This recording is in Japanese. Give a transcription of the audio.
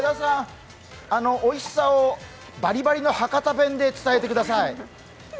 おいしさをばりばりの博多弁で伝えてください。